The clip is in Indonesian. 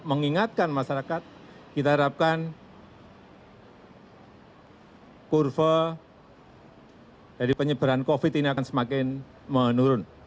mengingatkan masyarakat kita harapkan kurva dari penyebaran covid ini akan semakin menurun